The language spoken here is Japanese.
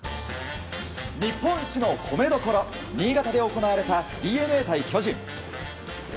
日本一の米どころ新潟で行われたＤｅＮＡ対巨人。